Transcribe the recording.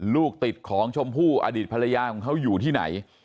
ลูกติดของชมพู่อดีตภรรยาของเขาอยู่ที่ไหน